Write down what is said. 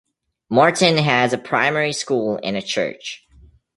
Martin has a Primary School and a church.